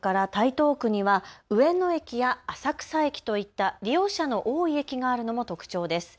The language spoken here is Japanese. それから台東区には上野駅や浅草駅といった利用者の多い駅があるのも特徴です。